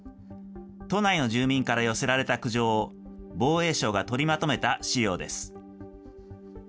都内の住民から寄せられた苦情を防衛省がとりまとめた資料です。